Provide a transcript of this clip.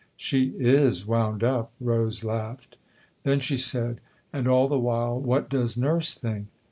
" She is wound up !" Rose laughed. Then she said :" And all the while what does Nurse think